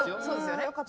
そうですよね